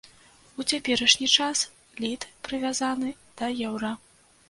У цяперашні час літ прывязаны да еўра.